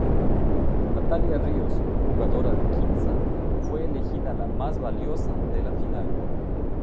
Natalia Ríos, jugadora de Quimsa, fue elegida la más valiosa de la final.